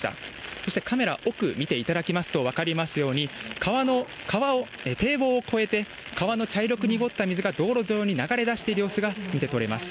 そしてカメラ奥見ていただきますと、分かりますように、堤防を越えて、川の茶色く濁った水が道路上に流れ出している様子が見て取れます。